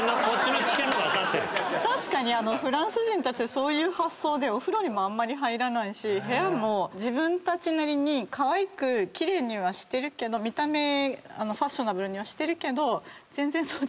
フランス人はそういう発想でお風呂にもあんまり入らないし部屋も自分たちなりにかわいく奇麗にはしてるけど見た目ファッショナブルにはしてるけど全然掃除しなかったりする。